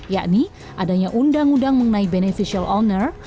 yakni adanya undang undang mengenai beneficial owner